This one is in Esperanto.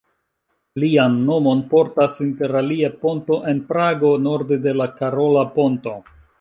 Lian nomon portas interalie ponto en Prago, norde de la Karola Ponto.